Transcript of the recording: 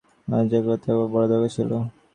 আজ একলা থাকবার বড়ো দরকার ছিল।